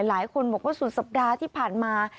หลายคนบอกว่าสุดสัปดาห์ที่ผ่านมา